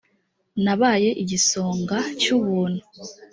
nabaye igisonga a cy ubuntu